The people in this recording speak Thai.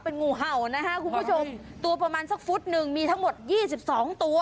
เป็นงูเห่านะฮะคุณผู้ชมตัวประมาณสักฟุตหนึ่งมีทั้งหมดยี่สิบสองตัว